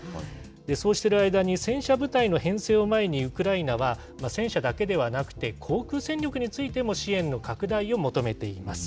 そうしている間に戦車部隊の編成を前に、ウクライナは戦車だけではなくて、航空戦力についても支援の拡大を求めています。